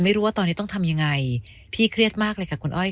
ไม่รู้ว่าตอนนี้ต้องทำยังไงพี่เครียดมากเลยค่ะคุณอ้อย